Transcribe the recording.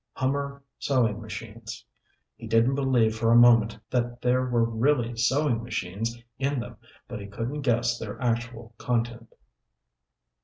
Hummer sewing machines. He didn't believe for a moment that there were really sewing machines in them, but he couldn't guess their actual content.